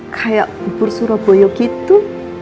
kayak bubur surabaya gitu